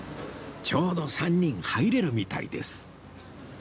ちょうど３人入れるみたいです